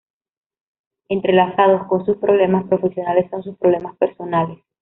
Entrelazados con sus problemas profesionales son sus problemas personales.